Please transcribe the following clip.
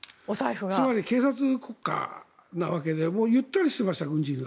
つまり警察国家なわけでゆったりしてました。